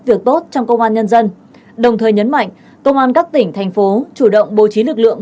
việc tốt trong công an nhân dân đồng thời nhấn mạnh công an các tỉnh thành phố chủ động bố trí lực lượng